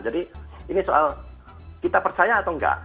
jadi ini soal kita percaya atau enggak